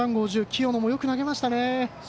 清野もよく投げましたね。